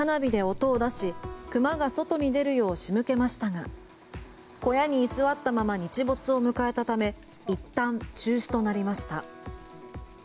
爆竹や花火で音を出し熊が外に出るよう仕向けましたが小屋に居座ったまま日没を迎えたためいったん中止となりました。